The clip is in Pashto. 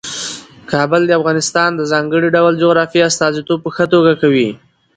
کابل د افغانستان د ځانګړي ډول جغرافیې استازیتوب په ښه توګه کوي.